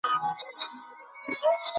এটা আমার নাম না।